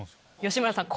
吉村さん